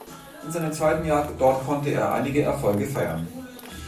In seinem zweiten Jahr dort konnte er einige Erfolge feiern.